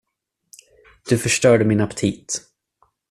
Du förstörde min aptit.